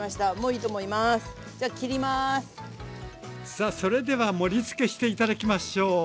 さあそれでは盛りつけして頂きましょう！